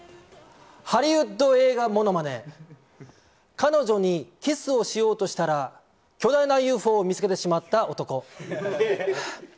ハリウッド映画モノマネ、彼女にキスをしようとしたら巨大なＵＦＯ見つけれてしまった男。